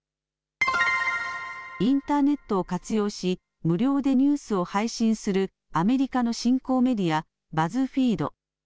インターネットを活用し無料でニュースを配信するアメリカの新興メディアバズフィード。